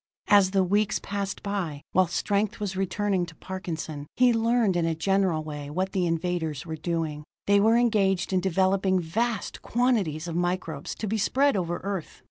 As the weeks passed by, while strength was returning to Parkinson, he learned in a general way what the invaders were doing. They were engaged in developing vast quantities of microbes to be spread over Earth.